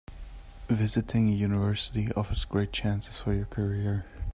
Visiting a university offers great chances for your career.